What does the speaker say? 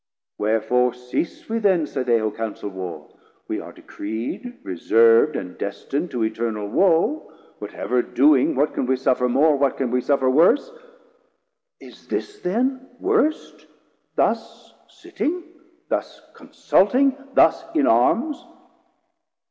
wherefore cease we then? Say they who counsel Warr, we are decreed, 160 Reserv'd and destin'd to Eternal woe; Whatever doing, what can we suffer more, What can we suffer worse? is this then worst, Thus sitting, thus consulting, thus in Arms?